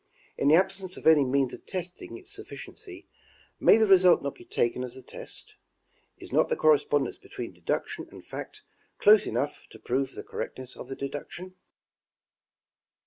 In the absence of any means of testing its sufficiency, may the result not be taken as the test ? Is not the correspondence between deduc tion and fact close enough to prove the correctness of the deduc tion